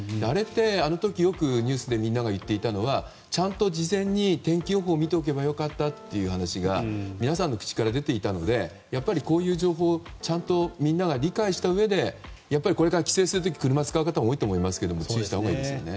あの時、ニュースでよく言っていたのはちゃんと事前に天気予報を見ておけばよかったという話が皆さんの口から出ていたのでやはり、こういう情報をちゃんとみんなが理解したうえでこれから帰省する時車を使う方も多いと思いますけど注意したほうがいいですよね。